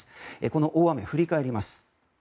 この大雨、振り返ります。